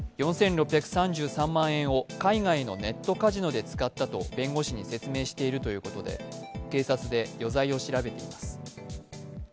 ４６３３万円を海外のネットカジノで使ったと弁護士に説明しているということで警察で余罪を調べています。